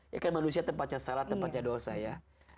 ya kan manusia tempatnya salah tempatnya dosa ya